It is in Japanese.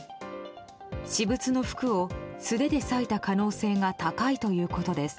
私物の服を素手で裂いた可能性が高いということです。